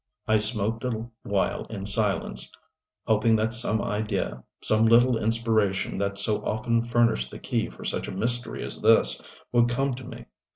I smoked a while in silence, hoping that some idea, some little inspiration that so often furnished the key for such a mystery as this, would come to me.